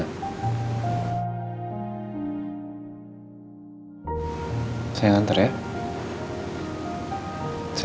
kalau kamu kena bangra beli jalan gimana